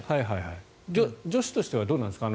女子としてはどうなんですか？